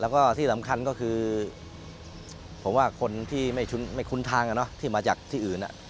แล้วก็ที่สำคัญก็คือผมว่าคนที่ไม่คุ้นทางที่มาจากที่อื่น